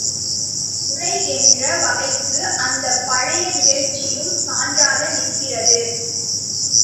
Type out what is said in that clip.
முறை என்ற வகைக்கு அந்தப் பழைய நிகழ்ச்சியும் சான்றாக நிற்கிறது.